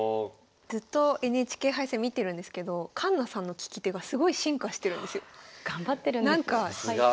ずっとＮＨＫ杯戦見てるんですけど環那さんの聞き手がすごい進化してるんですよ。頑張ってるんです。